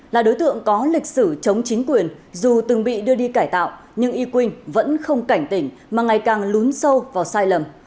là đối tượng có lịch sử chống chính quyền dù từng bị đưa đi cải tạo nhưng y quynh vẫn không cảnh tỉnh mà ngày càng lún sâu vào sai lầm